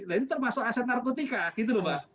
ini termasuk aset narkotika